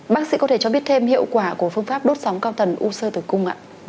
bác sĩ có thể cho biết thêm hiệu quả của phương pháp đốt sóng cao tần u sơ tử cung ạ